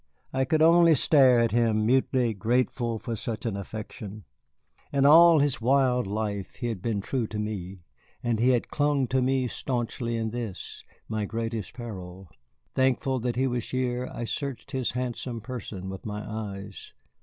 I could only stare at him, mutely grateful for such an affection. In all his wild life he had been true to me, and he had clung to me stanchly in this, my greatest peril. Thankful that he was here, I searched his handsome person with my eyes.